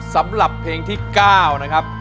สำหรับเพลงที่๙นะครับ